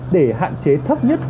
để hạn chế thấp nhất